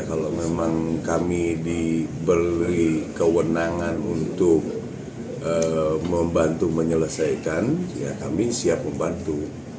kalau memang kami diberi kewenangan untuk membantu menyelesaikan ya kami siap membantu